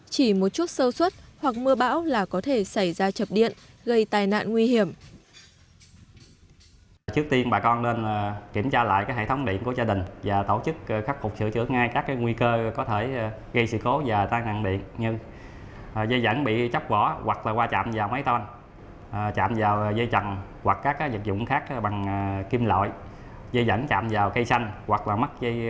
chỉ một chút sâu suất hoặc mưa bão là có thể xảy ra chập điện gây tai nạn nguy hiểm